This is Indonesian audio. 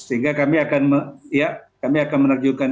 sehingga kami akan menerjukan